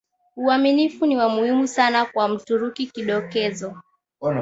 Uaminifu ni wa muhimu sana kwa Mturuki Kidokezo